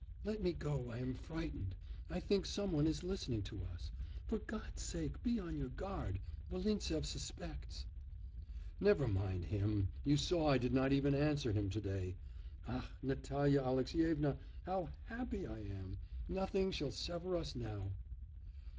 'Let me go I am frightened.... I think some one is listening to us.... For God's sake, be on your guard. Volintsev suspects.' 'Never mind him! You saw I did not even answer him to day.... Ah, Natalya Alexyevna, how happy I am! Nothing shall sever us now!